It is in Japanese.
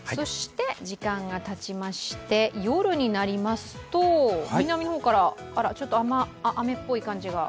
時間がたちまして、夜になりますと南の方からちょっと雨っぽい感じが？